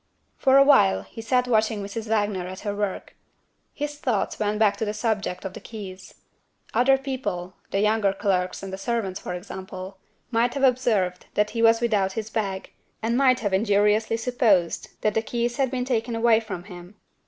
For awhile he sat watching Mrs. Wagner at her work. His thoughts went back to the subject of the keys. Other people the younger clerks and the servants, for example might have observed that he was without his bag, and might have injuriously supposed that the keys had been taken away from him.